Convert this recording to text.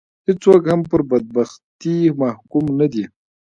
هېڅوک هم پر بدبختي محکوم نه دي.